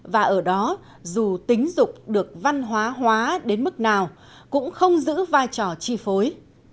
và ở đó dù tính dục được văn hóa hóa đến mức nào cũng không giữ vai trò chi phối